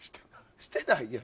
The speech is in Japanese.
してないやろ。